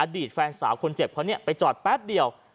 อดีตแฟนสาวคนเจ็บเพราะนี้ไปจอดแป๊บเดียว